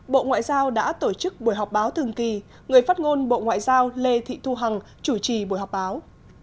bộ ngoại giao đã tổ chức buổi họp báo thường kỳ người phát ngôn bộ ngoại giao lê thị thu hằng chủ trì buổi họp báo